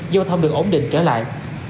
giao thông được ổn định trở lại